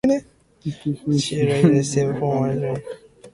She later received formal training at the American Academy of Dramatic Arts.